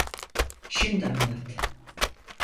Şimdi anlat.